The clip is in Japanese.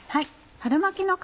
春巻きの皮